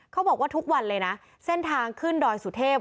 เขาบอกว่าทุกวันเลยนะเส้นทางขึ้นดอยสุเทพ